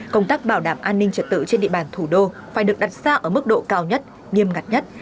công tác bảo đảm an ninh trật tự trên địa bàn thủ đô phải được đặt ra ở mức độ cao nhất nghiêm ngặt nhất